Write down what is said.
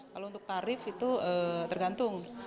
kalau untuk tarif itu tergantung